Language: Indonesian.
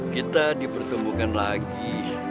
kita dipertemukan lagi